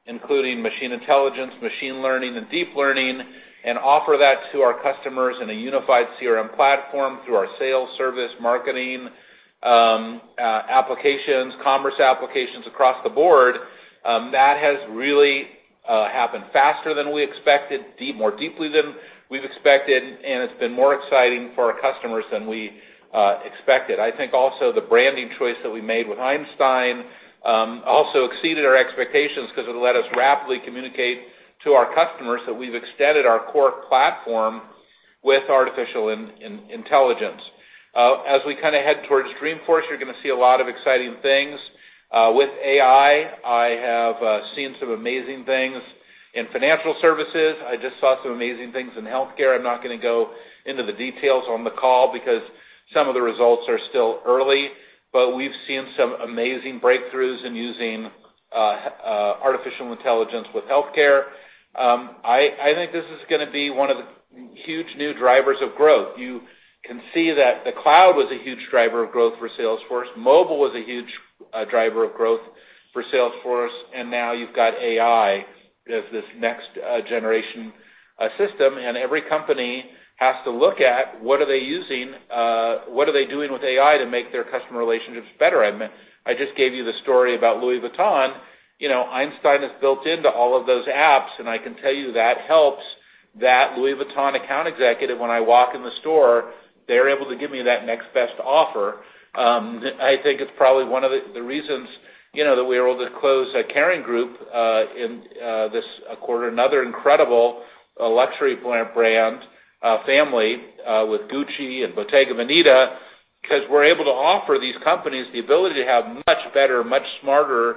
including machine intelligence, machine learning, and deep learning, and offer that to our customers in a unified CRM platform through our Sales Cloud, Service Cloud, Marketing Cloud, Commerce Cloud across the board, that has really happened faster than we expected, more deeply than we've expected, and it's been more exciting for our customers than we expected. I think also the branding choice that we made with Einstein also exceeded our expectations because it let us rapidly communicate to our customers that we've extended our core platform with artificial intelligence. As we head towards Dreamforce, you're going to see a lot of exciting things. With AI, I have seen some amazing things in financial services. I just saw some amazing things in healthcare. I'm not going to go into the details on the call, because some of the results are still early, but we've seen some amazing breakthroughs in using artificial intelligence with healthcare. I think this is going to be one of the huge new drivers of growth. You can see that the cloud was a huge driver of growth for Salesforce. Mobile was a huge driver of growth for Salesforce, and now you've got AI as this next-generation system. Every company has to look at what are they doing with AI to make their customer relationships better. I just gave you the story about Louis Vuitton. Einstein is built into all of those apps. I can tell you that helps that Louis Vuitton account executive, when I walk in the store, they're able to give me that next best offer. I think it's probably one of the reasons that we were able to close Kering Group in this quarter, another incredible luxury brand family, with Gucci and Bottega Veneta, because we're able to offer these companies the ability to have much better, much smarter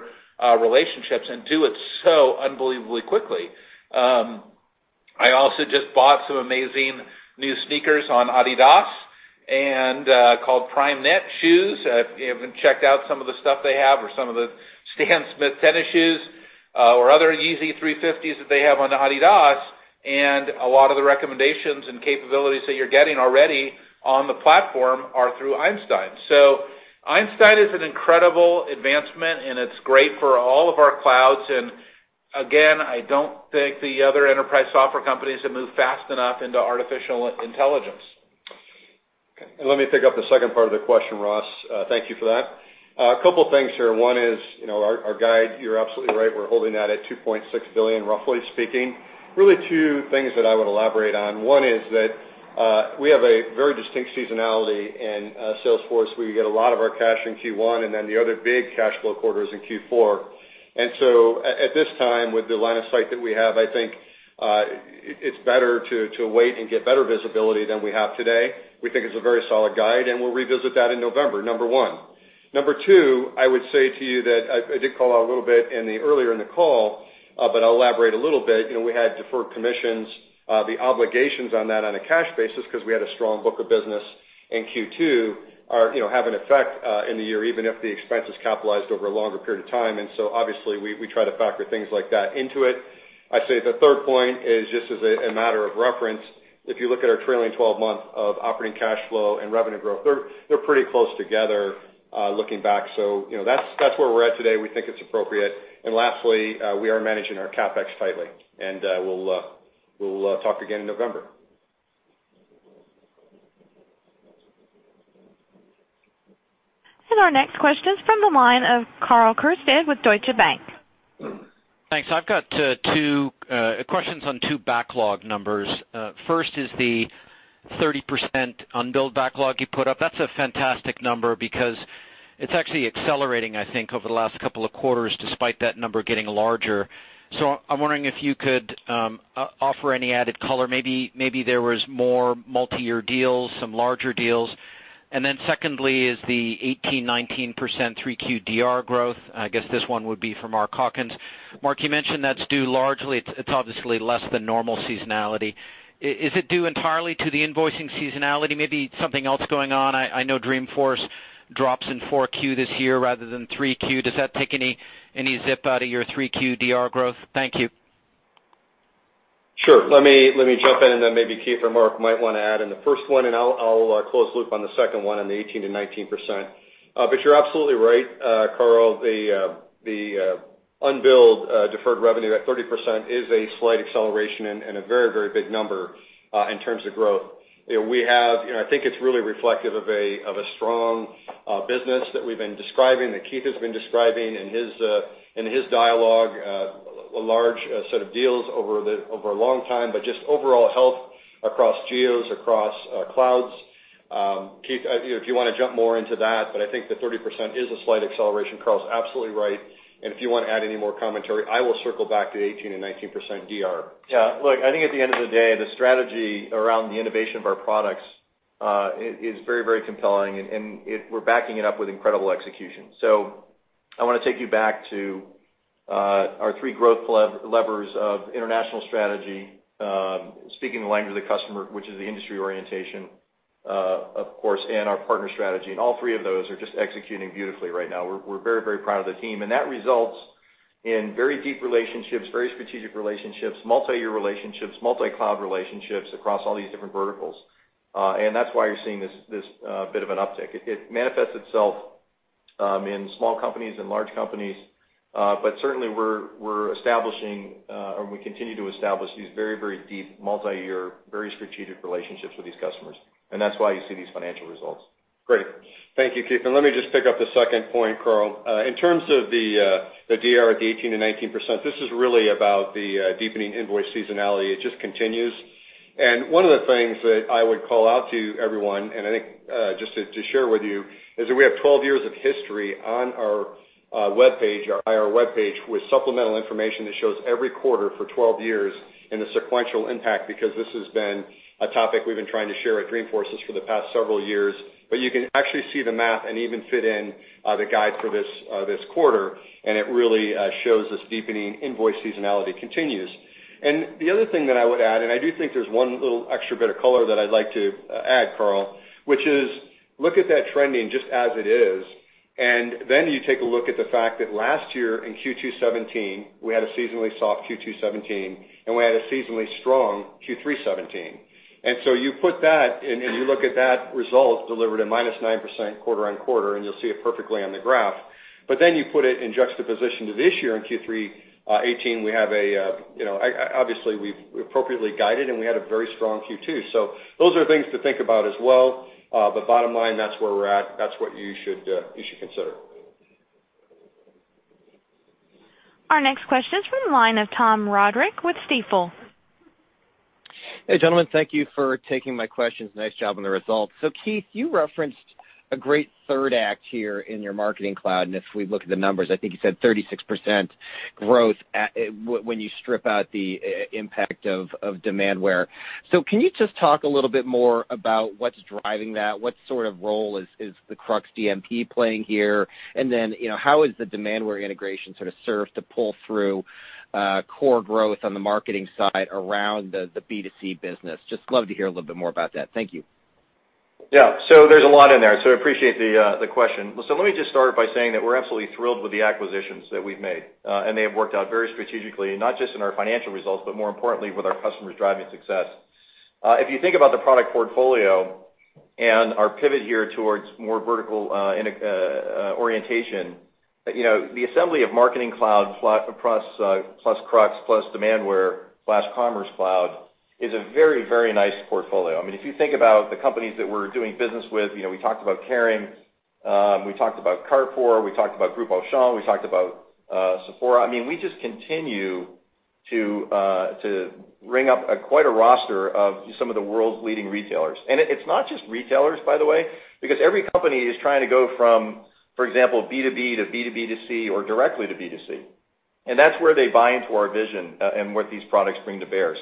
relationships, and do it so unbelievably quickly. I also just bought some amazing new sneakers on Adidas, called Primeknit shoes. If you haven't checked out some of the stuff they have, or some of the Stan Smith tennis shoes, or other Yeezy 350 that they have on Adidas, a lot of the recommendations and capabilities that you're getting already on the platform are through Einstein. Einstein is an incredible advancement. It's great for all of our clouds. Again, I don't think the other enterprise software companies have moved fast enough into artificial intelligence. Okay. Let me pick up the second part of the question, Ross. Thank you for that. A couple things here. One is our guide. You're absolutely right. We're holding that at $2.6 billion, roughly speaking. Really two things that I would elaborate on. One is that we have a very distinct seasonality in Salesforce, where we get a lot of our cash in Q1. Then the other big cash flow quarter is in Q4. At this time, with the line of sight that we have, I think it's better to wait and get better visibility than we have today. We think it's a very solid guide, and we'll revisit that in November, number one. Number two, I would say to you that I did call out a little bit earlier in the call, I'll elaborate a little bit. We had deferred commissions. The obligations on that on a cash basis, because we had a strong book of business in Q2, have an effect in the year, even if the expense is capitalized over a longer period of time. Obviously, we try to factor things like that into it. I'd say the third point is just as a matter of reference, if you look at our trailing 12 months of operating cash flow and revenue growth, they're pretty close together looking back. That's where we're at today. We think it's appropriate. Lastly, we are managing our CapEx tightly. We'll talk again in November. Our next question is from the line of Karl Keirstead with Deutsche Bank. Thanks. I've got two questions on two backlog numbers. First is the 30% unbilled backlog you put up. That's a fantastic number because it's actually accelerating, I think, over the last couple of quarters, despite that number getting larger. I'm wondering if you could offer any added color. Maybe there was more multi-year deals, some larger deals. Secondly is the 18%-19% 3Q DR growth. I guess this one would be for Mark Hawkins. Mark, you mentioned that's due largely, it's obviously less than normal seasonality. Is it due entirely to the invoicing seasonality? Maybe something else going on? I know Dreamforce drops in 4Q this year rather than 3Q. Does that take any zip out of your 3Q DR growth? Thank you. Sure. Let me jump in and then maybe Keith Block or Mark Hawkins might want to add in the first one, and I'll close loop on the second one, on the 18%-19%. You're absolutely right, Karl Keirstead, the unbilled deferred revenue at 30% is a slight acceleration and a very big number in terms of growth. I think it's really reflective of a strong business that we've been describing, that Keith Block has been describing in his dialogue, a large set of deals over a long time, just overall health across geos, across clouds. Keith Block, if you want to jump more into that, I think the 30% is a slight acceleration. Karl Keirstead's absolutely right. If you want to add any more commentary, I will circle back to 18% and 19% DR. Yeah, look, I think at the end of the day, the strategy around the innovation of our products is very compelling, and we're backing it up with incredible execution. I want to take you back to our three growth levers of international strategy, speaking the language of the customer, which is the industry orientation, of course, and our partner strategy. All three of those are just executing beautifully right now. We're very proud of the team, and that results in very deep relationships, very strategic relationships, multi-year relationships, multi-cloud relationships across all these different verticals. That's why you're seeing this bit of an uptick. It manifests itself in small companies and large companies. Certainly, we continue to establish these very deep, multi-year, very strategic relationships with these customers, and that's why you see these financial results. Great. Thank you, Keith. Let me just pick up the second point, Karl. In terms of the DR at 18%-19%, this is really about the deepening invoice seasonality. It just continues. One of the things that I would call out to everyone, and I think just to share with you, is that we have 12 years of history on our webpage, our IR webpage, with supplemental information that shows every quarter for 12 years and the sequential impact, because this has been a topic we've been trying to share at Dreamforce for the past several years. You can actually see the math and even fit in the guide for this quarter, and it really shows this deepening invoice seasonality continues. The other thing that I would add, and I do think there's one little extra bit of color that I'd like to add, Karl, which is look at that trending just as it is, and then you take a look at the fact that last year in Q2 2017, we had a seasonally soft Q2 2017, and we had a seasonally strong Q3 2017. You put that, and you look at that result delivered a minus 9% quarter-on-quarter, and you'll see it perfectly on the graph. You put it in juxtaposition to this year in Q3 2018, obviously, we appropriately guided, and we had a very strong Q2. Those are things to think about as well. Bottom line, that's where we're at. That's what you should consider. Our next question is from the line of Thomas Roderick with Stifel. Hey, gentlemen, thank you for taking my questions. Nice job on the results. Keith, you referenced a great third act here in your Marketing Cloud, and if we look at the numbers, I think you said 36% growth when you strip out the impact of Demandware. Can you just talk a little bit more about what's driving that? What sort of role is the Krux DMP playing here? How is the Demandware integration sort of served to pull through core growth on the marketing side around the B2C business? Just love to hear a little bit more about that. Thank you. Yeah. There's a lot in there, so I appreciate the question. Let me just start by saying that we're absolutely thrilled with the acquisitions that we've made, and they have worked out very strategically, not just in our financial results, but more importantly with our customers driving success. If you think about the product portfolio and our pivot here towards more vertical orientation, the assembly of Marketing Cloud plus Krux plus Demandware/Commerce Cloud is a very, very nice portfolio. If you think about the companies that we're doing business with, we talked about Kering, we talked about Carrefour, we talked about Groupe Auchan, we talked about Sephora. We just continue to ring up quite a roster of some of the world's leading retailers. It's not just retailers, by the way, because every company is trying to go from, for example, B2B to B2B2C or directly to B2C, and that's where they buy into our vision, and what these products bring to bear.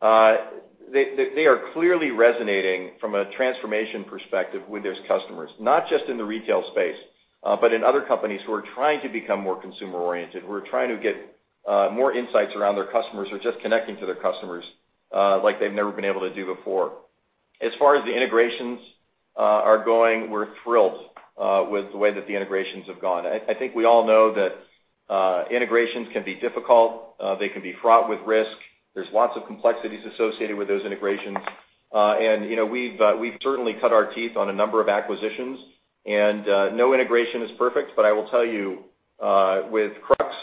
They are clearly resonating from a transformation perspective with those customers, not just in the retail space, but in other companies who are trying to become more consumer-oriented, who are trying to get more insights around their customers or just connecting to their customers, like they've never been able to do before. As far as the integrations are going, we're thrilled with the way that the integrations have gone. I think we all know that integrations can be difficult. They can be fraught with risk. There's lots of complexities associated with those integrations. We've certainly cut our teeth on a number of acquisitions, and no integration is perfect, but I will tell you, with Krux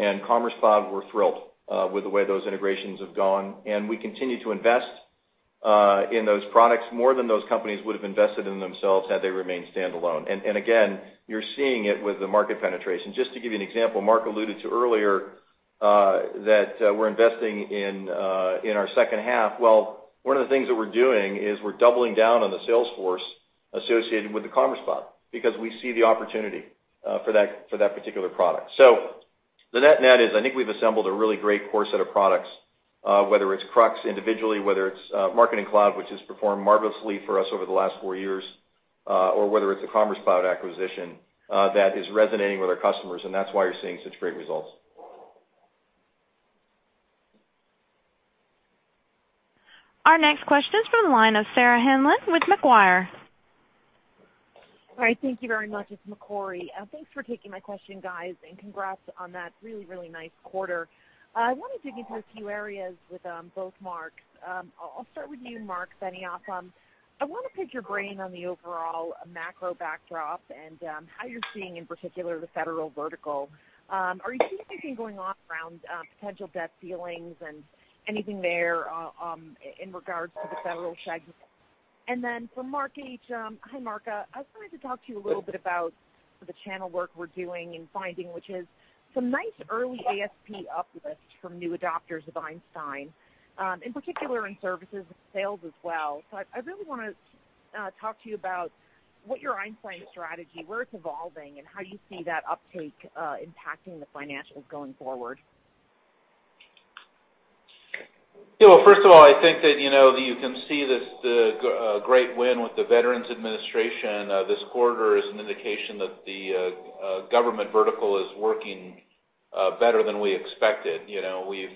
and Commerce Cloud, we're thrilled with the way those integrations have gone, and we continue to invest in those products more than those companies would have invested in themselves had they remained standalone. Again, you're seeing it with the market penetration. Just to give you an example, Mark alluded to earlier that we're investing in our second half. Well, one of the things that we're doing is we're doubling down on the sales force associated with the Commerce Cloud because we see the opportunity for that particular product. The net is I think we've assembled a really great core set of products, whether it's Krux individually, whether it's Marketing Cloud, which has performed marvelously for us over the last four years, or whether it's a Commerce Cloud acquisition that is resonating with our customers, and that's why you're seeing such great results. Our next question is from the line of Sarah Hindlian with Macquarie. All right. Thank you very much. It's Macquarie. Thanks for taking my question, guys, and congrats on that really, really nice quarter. I want to dig into a few areas with both Marks. I'll start with you, Marc Benioff. I want to pick your brain on the overall macro backdrop and how you're seeing, in particular, the federal vertical. Are you seeing anything going on around potential debt ceilings and anything there, in regards to the federal spend? For Mark Hawkins, hi, Mark. I was going to talk to you a little bit about the channel work we're doing and finding, which is some nice early ASP uplifts from new adopters of Einstein, in particular in services and sales as well. I really want to talk to you about what your Einstein strategy, where it's evolving, and how you see that uptake impacting the financials going forward. Yeah, well, first of all, I think that you can see this great win with the Department of Veterans Affairs this quarter is an indication that the government vertical is working better than we expected. We've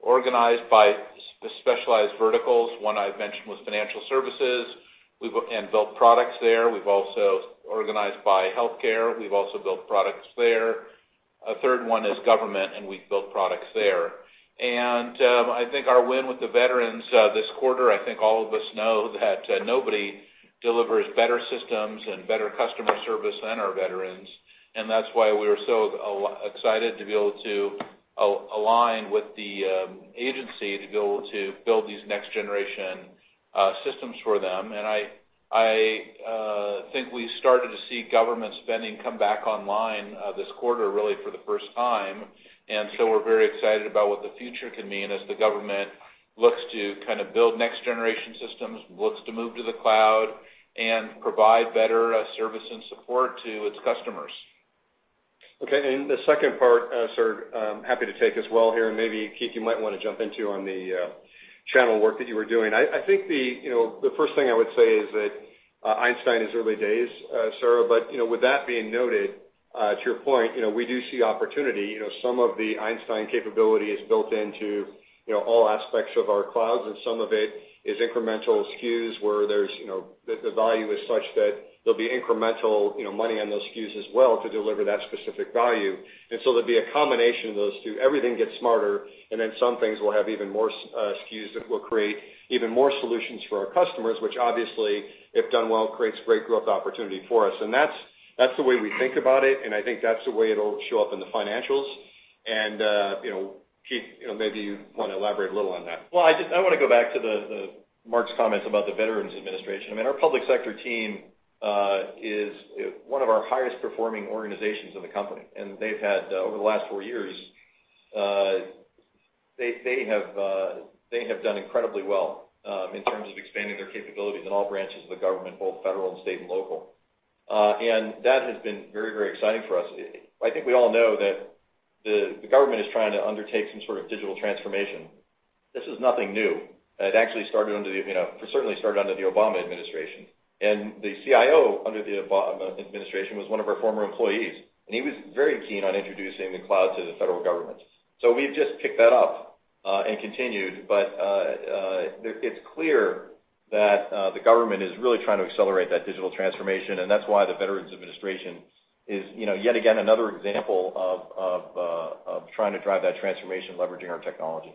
organized by specialized verticals. One I've mentioned was financial services, and built products there. We've also organized by healthcare. We've also built products there. A third one is government, and we've built products there. I think our win with the veterans this quarter, I think all of us know that nobody delivers better systems and better customer service than our veterans, and that's why we were so excited to be able to align with the agency to be able to build these next-generation systems for them. I think we started to see government spending come back online this quarter, really for the first time. We're very excited about what the future can mean as the government looks to build next-generation systems, looks to move to the cloud, and provide better service and support to its customers. Okay. The second part, Sarah, I'm happy to take as well here, maybe, Keith, you might want to jump in too on the channel work that you were doing. I think the first thing I would say is that Einstein is early days, Sarah. With that being noted, to your point, we do see opportunity. Some of the Einstein capability is built into all aspects of our clouds, and some of it is incremental SKUs where the value is such that there'll be incremental money on those SKUs as well to deliver that specific value. There'll be a combination of those two. Everything gets smarter, and then some things will have even more SKUs that will create even more solutions for our customers, which obviously, if done well, creates great growth opportunity for us. That's the way we think about it, and I think that's the way it'll show up in the financials. Keith, maybe you want to elaborate a little on that. Well, I want to go back to Marc's comments about the Veterans Administration. Our public sector team is one of our highest-performing organizations in the company, and they've had, over the last four years, they have done incredibly well in terms of expanding their capabilities in all branches of the government, both federal and state and local. That has been very exciting for us. I think we all know that the government is trying to undertake some sort of digital transformation. This is nothing new. It certainly started under the Obama administration, and the CIO under the Obama administration was one of our former employees, and he was very keen on introducing the cloud to the federal government. We've just picked that up and continued. It's clear that the government is really trying to accelerate that digital transformation, and that's why the Veterans Administration is, yet again, another example of trying to drive that transformation, leveraging our technology.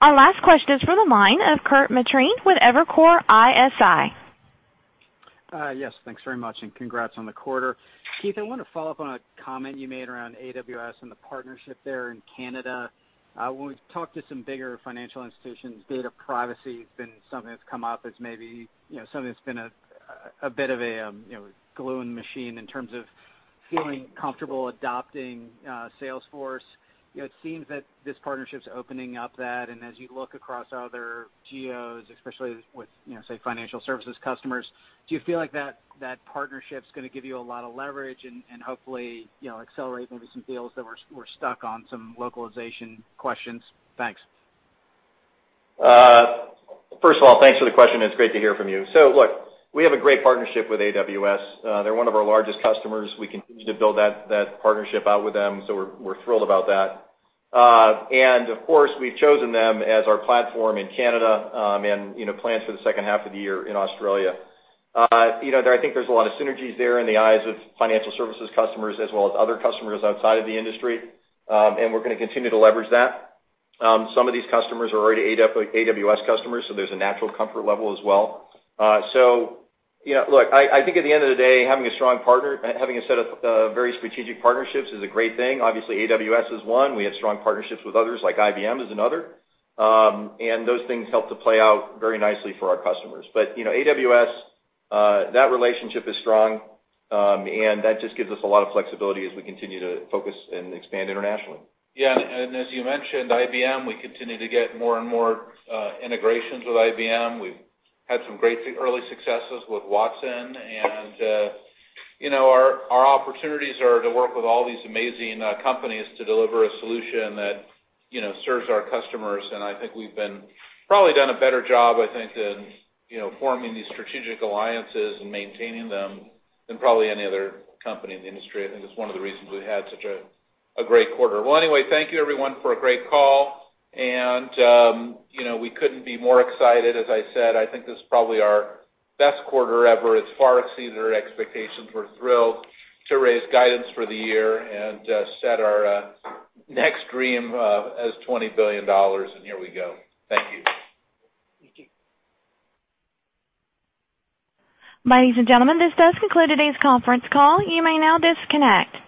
Our last question is from the line of Kirk Materne with Evercore ISI. Yes, thanks very much, and congrats on the quarter. Keith, I want to follow up on a comment you made around AWS and the partnership there in Canada. When we've talked to some bigger financial institutions, data privacy has been something that's come up as maybe something that's been a bit of a glue in the machine in terms of feeling comfortable adopting Salesforce. It seems that this partnership's opening up that, and as you look across other geos, especially with, say, financial services customers, do you feel like that partnership's going to give you a lot of leverage and hopefully accelerate maybe some deals that were stuck on some localization questions? Thanks. First of all, thanks for the question. It's great to hear from you. Look, we have a great partnership with AWS. They're one of our largest customers. We continue to build that partnership out with them, we're thrilled about that. Of course, we've chosen them as our platform in Canada, and plans for the second half of the year in Australia. I think there's a lot of synergies there in the eyes of financial services customers, as well as other customers outside of the industry, and we're going to continue to leverage that. Some of these customers are already AWS customers, there's a natural comfort level as well. Look, I think at the end of the day, having a set of very strategic partnerships is a great thing. Obviously, AWS is one. We have strong partnerships with others, like IBM is another. Those things help to play out very nicely for our customers. AWS, that relationship is strong, and that just gives us a lot of flexibility as we continue to focus and expand internationally. As you mentioned, IBM, we continue to get more and more integrations with IBM. We've had some great early successes with Watson, our opportunities are to work with all these amazing companies to deliver a solution that serves our customers. I think we've probably done a better job, I think, in forming these strategic alliances and maintaining them than probably any other company in the industry. I think it's one of the reasons we've had such a great quarter. Well, anyway, thank you, everyone, for a great call. We couldn't be more excited. As I said, I think this is probably our best quarter ever. It's far exceeded our expectations. We're thrilled to raise guidance for the year and set our next dream as $20 billion, here we go. Thank you. Thank you. Ladies and gentlemen, this does conclude today's conference call. You may now disconnect.